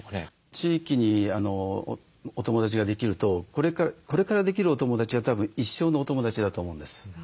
地域にお友だちができるとこれからできるお友だちはたぶん一生のお友だちだと思うんです。